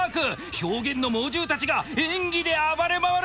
表現の猛獣たちが演技で暴れ回る！